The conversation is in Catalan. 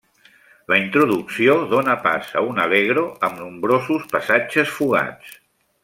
La introducció dóna pas a un allegro amb nombrosos passatges fugats.